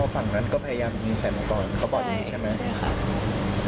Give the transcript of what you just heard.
อ๋อฝั่งนั้นก็พยายามยิงแสนมาก่อนเขาบอกอยู่นี้ใช่ไหมใช่ค่ะ